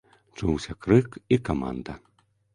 Чуўся крык і каманда.